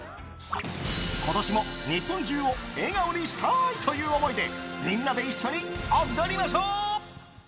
ことしも日本中を笑顔にしたいという想いで、みんなで一緒に踊りましょう。